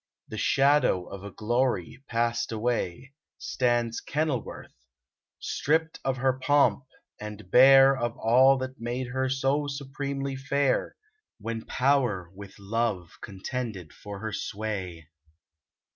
The shadow of a glory passed away. Stands Kenilworth ; stripped of her pomp, and bare Of all that made her so supremely fair When Power with Love contended for her sway.